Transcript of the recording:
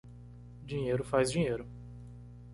Dinheiro faz dinheiro